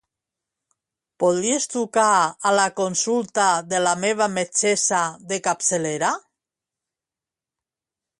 Podries trucar a la consulta de la meva metgessa de capçalera?